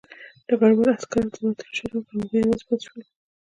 ډګروال عسکر ته د وتلو اشاره وکړه او هغوی یوازې پاتې شول